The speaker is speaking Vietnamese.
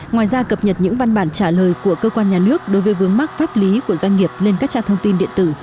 ngoài ra cập nhật những văn bản trả lời của cơ quan nhà nước đối với vướng mắc pháp lý của doanh nghiệp lên các trang thông tin điện tử